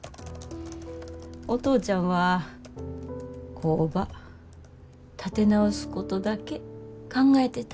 お父ちゃんは工場立て直すことだけ考えてた。